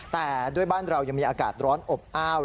แต่ด้วยบ้านเรายังมีอากาศร้อนอบอ้าว